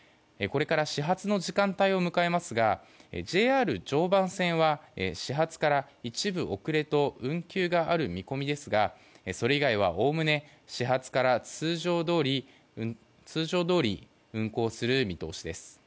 これから始発の時間帯を迎えますがＪＲ常磐線は始発から一部遅れと運休がある見込みですがそれ以外は、おおむね始発から通常どおり運行する見通しです。